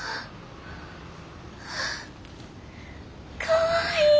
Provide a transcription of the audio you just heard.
かわいい。